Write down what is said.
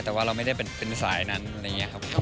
แต่ว่าเราไม่ได้เป็นสายนั้นอะไรอย่างนี้ครับผม